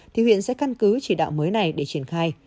thì huyện sẽ căn cứ chỉ đạo mới này để triển khai